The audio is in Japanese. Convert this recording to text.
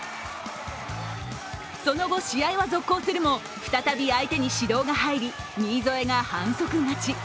その後、試合は続行するも再び相手に指導が入り新添が反則勝ち。